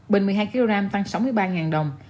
bình một mươi hai kg tăng sáu mươi ba đồng